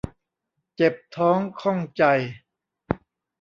เจ็บท้องข้องใจ